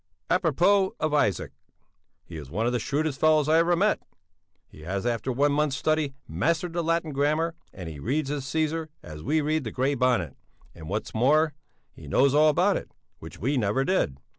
A propos of Isaac! He is one of the shrewdest fellows I ever met. He has, after one month's study, mastered the Latin grammar, and he reads his Cæsar as we read the Grey Bonnet; and what's more, he knows all about it, which we never did.